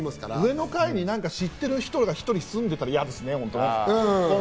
上の階に知ってる人が１人住んでたら嫌ですね。